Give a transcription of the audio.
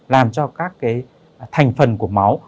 làm cho các thành phần của máu